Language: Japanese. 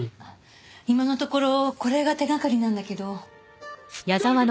今のところこれが手掛かりなんだけど。